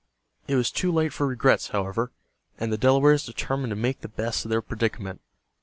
It was too late for regrets, however, and the Delawares determined to make the best of their predicament.